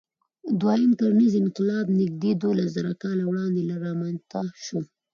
دوهیم کرنیز انقلاب نږدې دولسزره کاله وړاندې رامنځ ته شو.